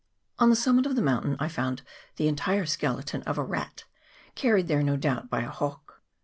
On the summit of the mountain I found the en tire skeleton of a rat, carried there, no doubt, by a hawk.